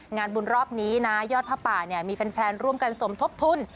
งานบุญรอบนี้นะยอดผ้าป่าเนี่ยมีแฟนร่วมกันสมทบทุน